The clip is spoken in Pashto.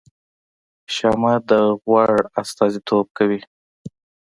شمعه د غوړ استازیتوب کوي